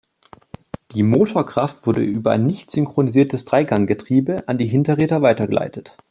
Die Motorkraft wurde über ein nicht synchronisiertes Dreiganggetriebe an die Hinterräder weitergeleitet.